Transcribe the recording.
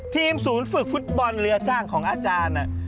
ทีมศูนย์ฝึกฟุตบอลเรือจ้างของอาจารย์